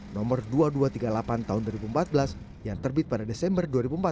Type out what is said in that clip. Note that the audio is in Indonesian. nomor dua ribu dua ratus tiga puluh delapan tahun dua ribu empat belas yang terbit pada desember dua ribu empat belas